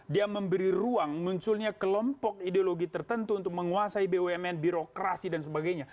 dia memberi ruang munculnya kelompok ideologi tertentu untuk menguasai bumn birokrasi dan sebagainya